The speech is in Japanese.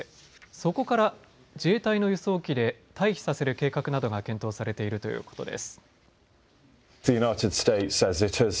そこから自衛隊の輸送機で退避させる計画などが検討されているということです。